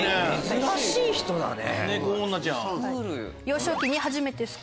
珍しい人だね！